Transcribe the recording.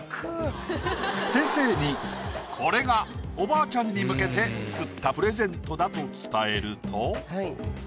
先生にこれがおばあちゃんに向けて作ったプレゼントだと伝えると。